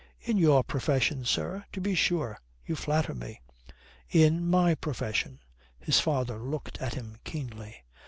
"In your profession, sir? To be sure, you flatter me." "In my profession " His father looked at him keenly.